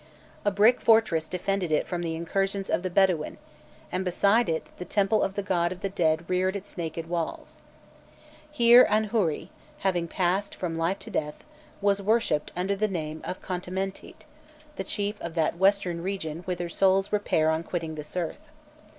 A brick fortress defended it from the incursions of the Bedouin, and beside it the temple of the god of the dead reared its naked walls. Here, Anhûri, having passed from life to death, was worshipped under the name of Khontamentît, the chief of that western region whither souls repair on quitting this earth.